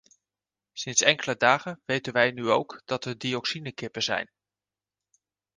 Sinds enkele dagen weten wij nu ook dat er dioxine-kippen zijn.